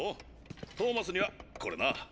トーマスにはこれな！